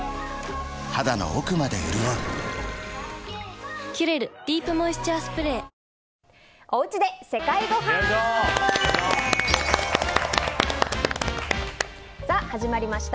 肌の奥まで潤う「キュレルディープモイスチャースプレー」さあ始まりました